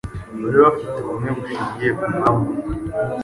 bari bafite ubumwe bushingiye ku mwami umwe